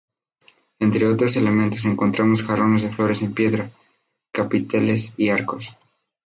Entre otros elementos encontramos jarrones de flores en piedra, capiteles, arcos.